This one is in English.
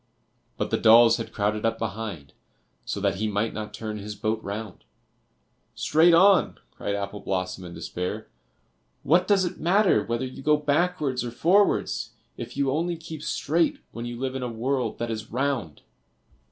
But the dolls had crowded up behind, so that he might not turn his boat round. "Straight on," cried Apple blossom, in despair; "what does it matter whether you go backwards or forwards if you only keep straight when you live in a world that is round?"